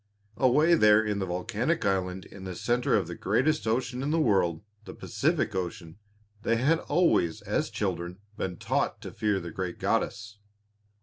Away there in the volcanic island in the centre of the greatest ocean in the world the Pacific Ocean they had always as children been taught to fear the great goddess.